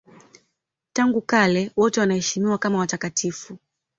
Tangu kale wote wanaheshimiwa kama watakatifu.